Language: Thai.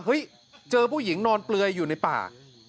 เจอผู้หญิงนอนเปลือยอยู่ในป่า